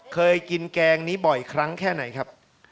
เคยกินแกงนี้บ่อยครั้งแค่ไหนครับ